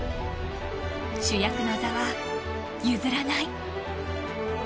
主役の座は譲らない。